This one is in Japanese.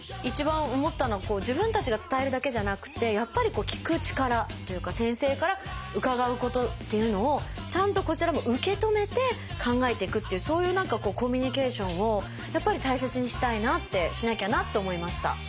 一番思ったのは自分たちが伝えるだけじゃなくてやっぱり聞く力というか先生から伺うことっていうのをちゃんとこちらも受け止めて考えていくっていうそういう何かコミュニケーションをやっぱり大切にしたいなってしなきゃなって思いました。